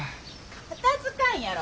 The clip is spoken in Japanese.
片づかんやろ。